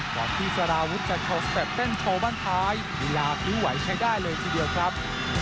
ก่อนที่สารวุฒิจะโชว์สเต็ปเต้นโชว์บ้านท้ายลีลาคิ้วไหวใช้ได้เลยทีเดียวครับ